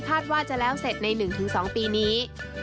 ว่าจะแล้วเสร็จใน๑๒ปีนี้